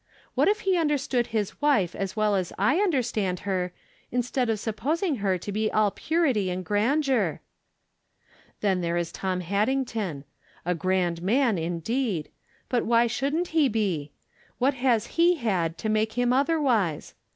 What if he imderstood his wife as well as I understand her, instead of sup posing her to be all purity and grandeur ? Then there is Tom Haddington. A grand man, in deed. But why shouldn't he be ? What has he had to make him otherwise ?